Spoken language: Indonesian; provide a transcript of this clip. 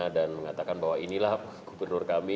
dan mengatakan bahwa inilah gubernur kami